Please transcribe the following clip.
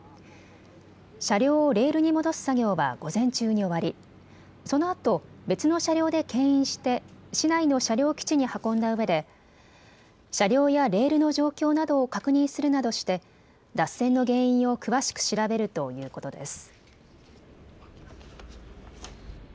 車両をレールに戻す作業は午前中に終わりそのあと別の車両でけん引して市内の車両基地に運んたうえで車両やレールの状況などを確認するなどして脱線の原因を詳しく調べるということです。